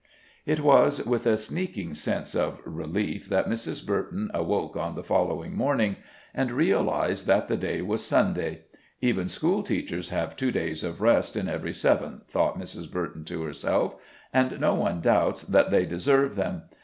It was with a sneaking sense of relief that Mrs. Burton awoke on the following morning, and realized that the day was Sunday. Even schoolteachers have two days of rest in every seven, thought Mrs. Burton to herself, and no one doubts that they deserve them.